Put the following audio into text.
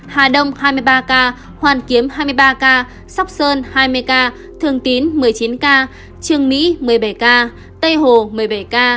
hà đông hai mươi ba ca hoàn kiếm hai mươi ba ca sóc sơn hai mươi ca thường tín một mươi chín ca trương mỹ một mươi bảy ca tây hồ một mươi bảy ca